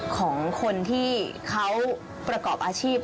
ของคนที่เขาประกอบอาชีพ